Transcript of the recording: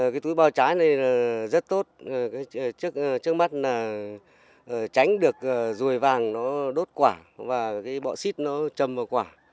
cái túi bao trái này rất tốt trước mắt là tránh được ruồi vàng nó đốt quả và cái bọ xít nó trầm vào quả